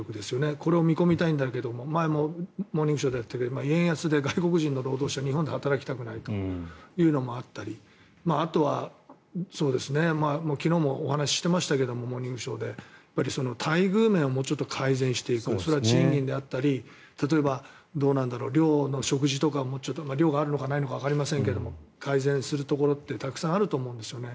これを見込みたいんだけど前も「モーニングショー」でやったけど円安で外国人の労働者日本で働きたくないというのもあったりあとは昨日もお話ししてましたが「モーニングショー」で待遇面をもうちょっと改善していくそれは賃金であったり例えば寮の食事とかも寮があるのかないのかわかりませんが改善するところってたくさんあると思うんですね。